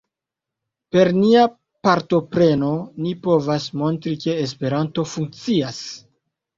Per nia partopreno, ni povas montri ke Esperanto funkcias.